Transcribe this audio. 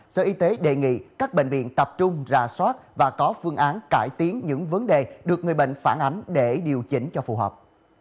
sở y tế đề nghị các bệnh viện tập trung ra soát và có phương án cải tiến những vấn đề được người bệnh phản ánh để điều chỉnh cho phù hợp